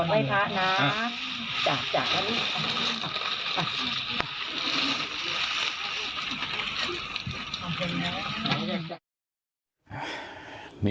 อ่า